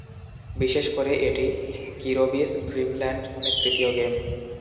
বিশেষ করে, এটি "কিরবি'স ড্রিম ল্যান্ড" নামে তৃতীয় গেম।